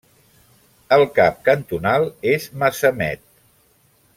El cap cantonal és Masamet.